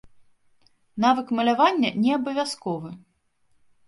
Навык малявання не абавязковы.